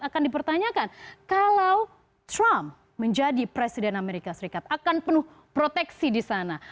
akan dipertanyakan kalau trump menjadi presiden amerika serikat akan penuh proteksi di sana